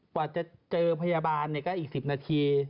กว่าจะเจอพยาบาลก็อีก๑๐นาที